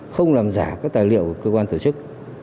không làm giả các tài liệu của cơ quan tổ chức